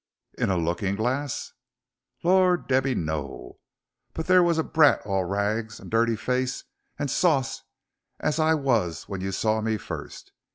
"In a looking glarse?" "Lor', Debby no. But there wos a brat all rags and dirty face and sauce as I was when you saw me fust.